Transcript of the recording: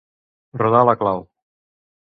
Rodar la clau.